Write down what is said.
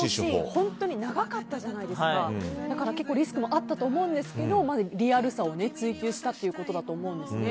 本当に長かったじゃないですかだからリスクもあったと思うんですけどリアルさを追求したということだと思うんですね。